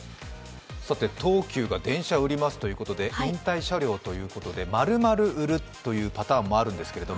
東急が電車売りますということで、引退車両丸々売るというパターンもあるんですけど